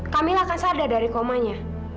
kamilah akan sadar dari komanya